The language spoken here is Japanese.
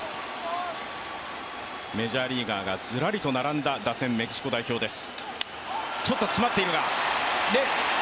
メジャーリーガーがずらりと並んだ打線、メキシコ代表です。